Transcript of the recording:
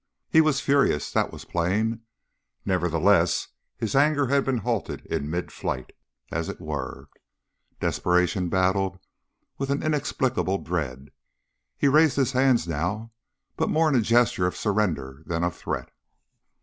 He was furious, that was plain, nevertheless his anger had been halted in mid flight, as it were; desperation battled with an inexplicable dread. He raised his hands now, but more in a gesture of surrender than of threat.